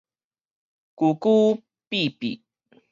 龜龜鱉鱉